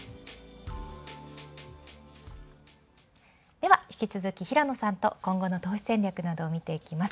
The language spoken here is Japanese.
では引き続き平野さんと今後の投資戦略などを見ていきます。